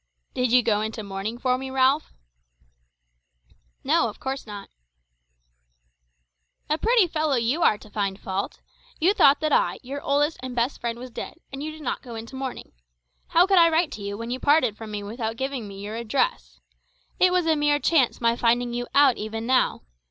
"Did you go into mourning for me, Ralph?" "No, of course not." "A pretty fellow you are to find fault. You thought that I, your oldest and best friend, was dead, and you did not go into mourning. How could I write to you when you parted from me without giving me your address? It was a mere chance my finding you out even now.